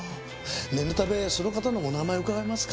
念のためその方のお名前を伺えますか？